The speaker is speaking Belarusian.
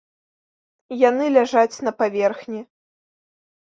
Яны ляжаць на паверхні.